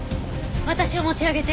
私を持ち上げて。